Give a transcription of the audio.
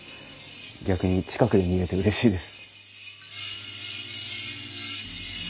逆に近くで見れてうれしいです。